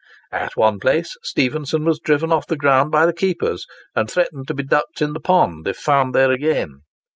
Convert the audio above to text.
At one place, Stephenson was driven off the ground by the keepers, and threatened to be ducked in the pond if found there again.